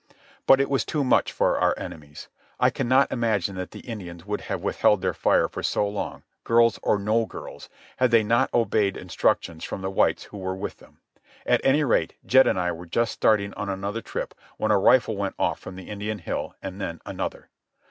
But it was too much for our enemies. I cannot imagine that the Indians would have withheld their fire for so long, girls or no girls, had they not obeyed instructions from the whites who were with them. At any rate Jed and I were just starting on another trip when a rifle went off from the Indian hill, and then another.